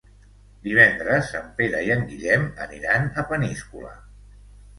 Divendres en Pere i en Guillem aniran a Peníscola.